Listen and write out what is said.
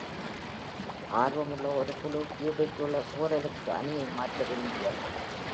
ஆர்வமுள்ள ஒரு குழு கியூபெக்கிலுள்ள சோரலுக்கு அணியை மாற்ற விரும்பியது.